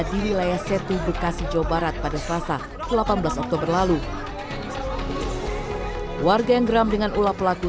di wilayah setu bekasi jawa barat pada selasa delapan belas oktober lalu warga yang geram dengan ulah pelaku